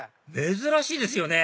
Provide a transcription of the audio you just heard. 珍しいですよね